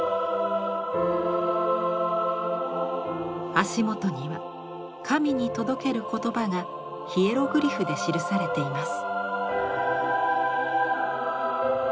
足元には神に届ける言葉がヒエログリフで記されています。